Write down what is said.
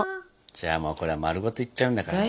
じゃあもうこれは丸ごといっちゃうんだからね。